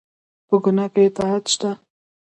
په ګناه کې اطاعت شته؟